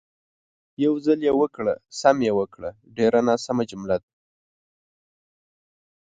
"یو ځل یې وکړه، سم یې وکړه" ډېره ناسمه جمله ده.